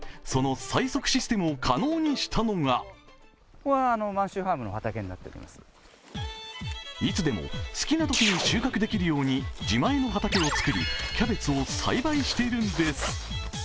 その最速システムを可能にしたのがいつでも好きなときに収穫できるように自前の畑を作りキャベツを栽培しているんです。